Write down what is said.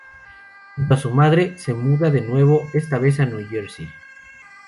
Junto a su madre, se muda de nuevo, esta vez a New Jersey.